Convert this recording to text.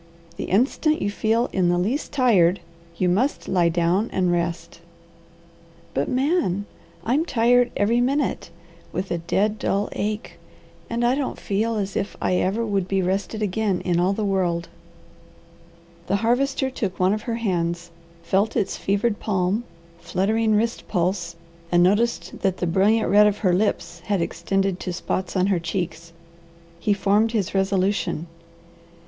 The instant you feel in the least tired you must lie down and rest." "But Man! I'm tired every minute, with a dead, dull ache, and I don't feel as if I ever would be rested again in all the world." The Harvester took one of her hands, felt its fevered palm, fluttering wrist pulse, and noticed that the brilliant red of her lips had extended to spots on her cheeks. He formed his resolution.